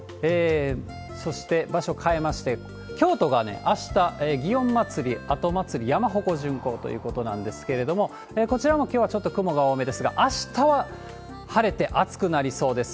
そして、場所変えまして、京都がね、あした、祇園祭後祭、山鉾巡行ということなんですけれども、こちらもきょうはちょっと雲が多めですが、あしたは晴れて暑くなりそうです。